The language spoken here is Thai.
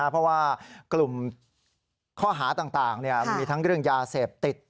เพราะว่ากลุ่มข้อหาต่างมีทั้งเรื่องยาเสพติด